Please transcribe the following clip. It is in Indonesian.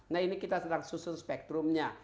nah ini kita sedang susun spektrumnya